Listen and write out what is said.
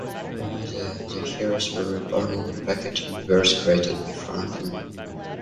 Rather, the heroes were reborn in a pocket universe created by Franklin.